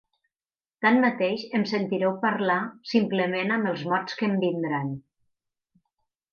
Tanmateix em sentireu parlar simplement amb els mots que em vindran.